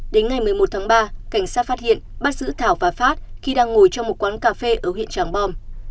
đến ngày một mươi một tháng ba cảnh sát phát hiện bắt giữ thảo và phát khi đang ngồi trong một quán cà phê ở huyện tràng bom